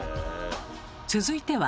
続いては。